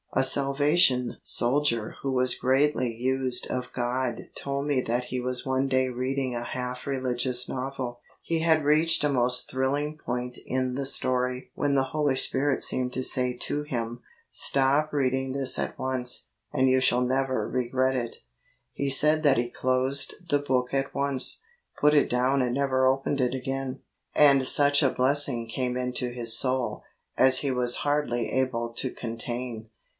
A Salvation Soldier who was greatly used of God told me that he was one day reading a half religious novel. He had reached a most thrilling point in the story when the Holy Spirit seemed to say to him, ' Stop reading this at once, and you shall never regret it.' He said that he closed the book at once, put it down and never opened it again, and such a blessing came into his soul as he was hardly able to contain.